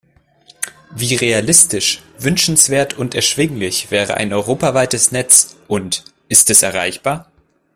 Wie realistisch, wünschenswert und erschwinglich wäre ein europaweites Netz, und ist es erreichbar?